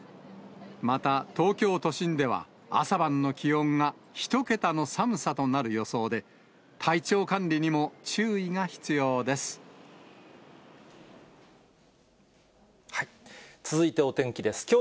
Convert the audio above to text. また東京都心では、朝晩の気温が１桁の寒さとなる予想で、体調管理にも注意が必要で続いて、お天気です。